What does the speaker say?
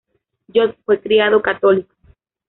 Jost fue criado católico.